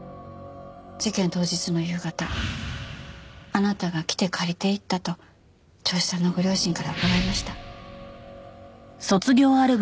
事件当日の夕方あなたが来て借りていったと銚子さんのご両親から伺いました。